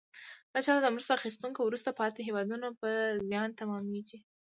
دا چاره د مرسته اخیستونکو وروسته پاتې هېوادونو په زیان تمامیږي.